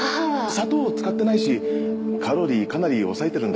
砂糖を使ってないしカロリーかなり抑えてるんだ。